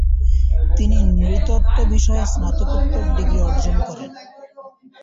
তিনি নৃতত্ত্ব বিষয়ে স্নাতকোত্তর ডিগ্রি অর্জন করেন।